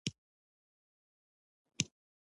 د بل ټکر لپاره د کرکټرونو مخامخ کېدل.